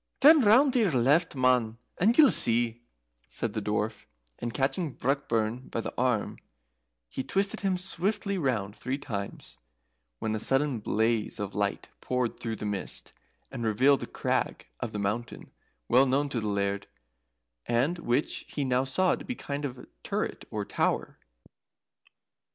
"Turn roun' to your left, man, and ye'll see," said the Dwarf, and catching Brockburn by the arm, he twisted him swiftly round three times, when a sudden blaze of light poured through the mist, and revealed a crag of the mountain well known to the Laird, and which he now saw to be a kind of turret, or tower.